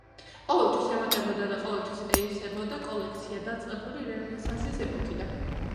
ყოველთვის ემატებოდა და ყოველთვის ივსებოდა კოლექცია, დაწყებული რენესანსის ეპოქიდან.